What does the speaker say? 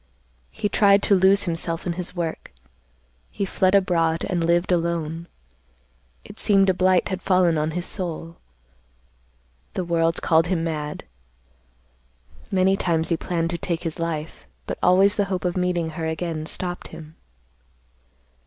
He tried to lose himself in his work. He fled abroad and lived alone. It seemed a blight had fallen on his soul. The world called him mad. Many times he planned to take his life, but always the hope of meeting her again stopped him.